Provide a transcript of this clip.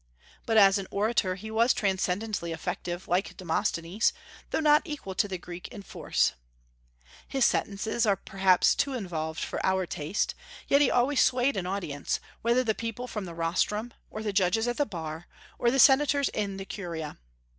But as an orator he was transcendently effective, like Demosthenes, though not equal to the Greek in force. His sentences are perhaps too involved for our taste; yet he always swayed an audience, whether the people from the rostrum, or the judges at the bar, or the senators in the Curia.